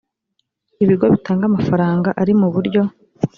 ibigo bitanga amafaranga ari mu buryo